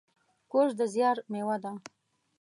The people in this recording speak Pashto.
کورس د زیار میوه ده.